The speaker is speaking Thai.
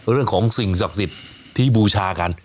เรื่องของสิ่งศักดิ์สิทธิ์ที่บูชากัน